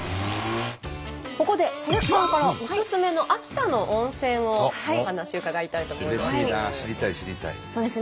ここで佐々木さんからおすすめの秋田の温泉のお話伺いたいと思います。